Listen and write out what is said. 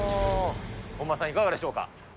本間さん、いかがでしょうか。